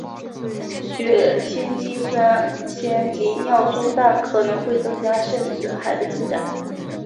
血清肌酸酐及尿素氮可能会增加肾损害的进展。